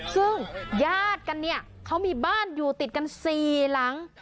ซึ่งญาติกันเนี่ยเขามีบ้านอยู่ติดกัน๔หลัง